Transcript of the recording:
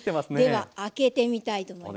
では開けてみたいと思います。